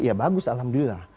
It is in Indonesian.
ya bagus alhamdulillah